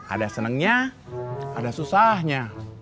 ada senengnya ada susahnya